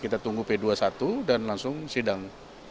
kita tunggu p dua puluh satu dan langsung sidang